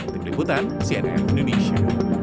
di peliputan cnn indonesia